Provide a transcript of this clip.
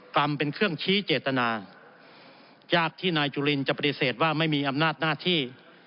กรรมเป็นเครื่องชี้เจตนาญาติที่นายจุลินจะปฏิเสธว่าไม่มีอำนาจหน้าที่